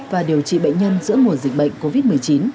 và điều trị bệnh nhân giữa mùa dịch bệnh covid một mươi chín